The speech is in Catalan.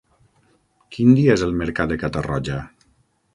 Quin dia és el mercat de Catarroja?